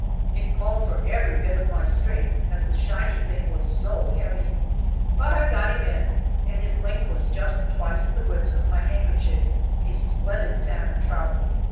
It called for every bit of my strength, as the shiny thing was so heavy. But I got him; and his length was just twice the width of my handkerchief a splendid salmon trout.